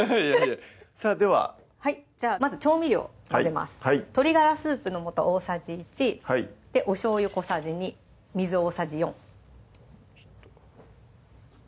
さぁでははいじゃあまず調味料混ぜます鶏ガラスープの素大さじ１・おしょうゆ小さじ２・水大さじ４